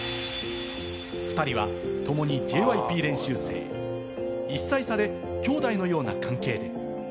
２人はともにＪＹＰ練習生、１歳差で兄弟のような関係。